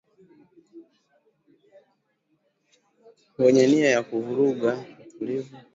wenye nia ya kuvuruga utulivu mashariki mwa Demokrasia ya Kongo